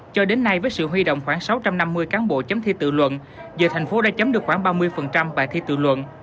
cho đến nay với sự huy động khoảng sáu trăm năm mươi cán bộ chấm thi tự luận giờ thành phố đã chấm được khoảng ba mươi bài thi tự luận